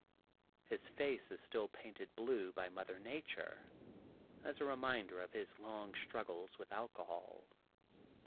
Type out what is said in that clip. His face is still painted blue by mother nature, as a reminder of his long struggles with alcohol.